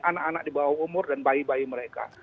anak anak di bawah umur dan bayi bayi mereka